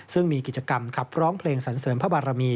ซึ่งมีกิจกรรมขับร้องเพลงสันเสริมพระบารมี